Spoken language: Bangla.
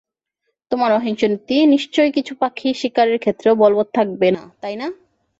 তোমার অহিংস নীতি নিশ্চয়ই কিছু পাখি শিকারের ক্ষেত্রেও বলবত থাকবে না, তাই না?